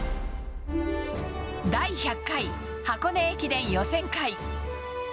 第１００回箱根駅伝予選会。